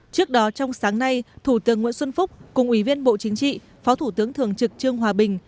trước đó trong sáng nay thủ tướng nguyễn xuân phúc cùng ủy viên bộ chính trị phó thủ tướng thường trực trương hòa bình